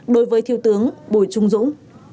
đối với thiếu tướng bùi trung dũng